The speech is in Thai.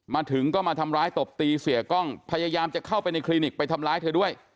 มาถึงก็มาทำร้ายตบตีเสียกล้องพยายามจะเข้าไปในคลินิกไปทำร้ายเธอด้วย